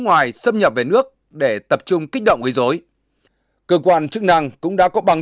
ngoài xâm nhập về nước để tập trung kích động gây dối cơ quan chức năng cũng đã có băng